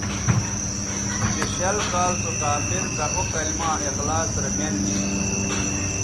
چہ شل کال سو کافر کہ او کلما اخلاص رے مین گی